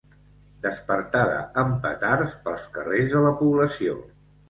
Despertada amb petards pels carrers de la població.